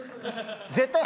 絶対。